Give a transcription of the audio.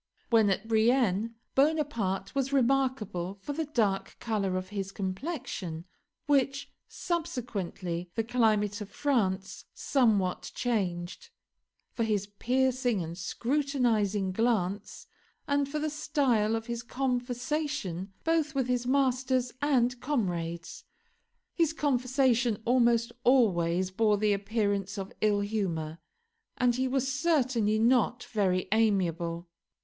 When at Brienne, Bonaparte was remarkable for the dark color of his complexion (which, subsequently, the climate of France somewhat changed), for his piercing and scrutinising glance, and for the style of his conversation both with his masters and comrades. His conversation almost always bore the appearance of ill humour, and he was certainly not very amiable.